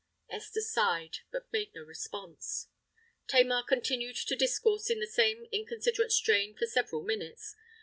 Esther sighed, but made no response. Tamar continued to discourse in the same inconsiderate strain for several minutes.